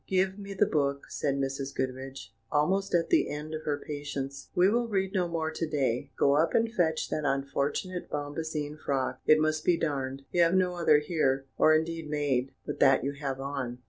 "Give me the book," said Mrs. Goodriche, almost at the end of her patience; "we will read no more to day; go up and fetch that unfortunate bombazine frock, it must be darned; you have no other here, or indeed made, but that you have on."